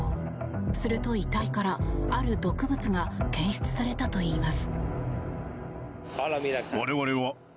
すると遺体から、ある毒物が検出されたといいます。